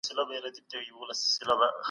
ویټامین ا د وریښتانو لپاره مهم دی.